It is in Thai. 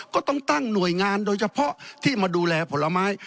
ก็ต้องตั้งหน่วยงานโดยเฉพาะที่มาดูแลผลไม้